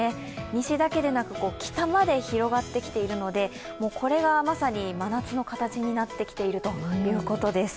西だけでなく北まで広がってきているのでこれがまさに真夏の形になってきているということです。